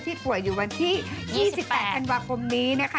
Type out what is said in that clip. ป่วยอยู่วันที่๒๘ธันวาคมนี้นะคะ